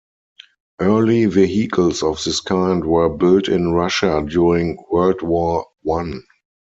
Early vehicles of this kind were built in Russia during World War One.